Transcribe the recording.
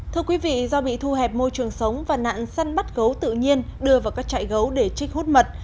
thưa quý vị do bị thu hẹp môi trường sống và nạn săn bắt gấu tự nhiên đưa vào các trại gấu để trích hút mật